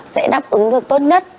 sẽ đáp ứng được tốt nhất